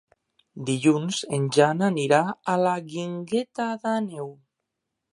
Dilluns en Jan anirà a la Guingueta d'Àneu.